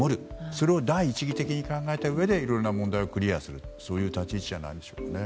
それを第一に考えたうえでいろんな問題をクリアするという立ち位置じゃないでしょうか。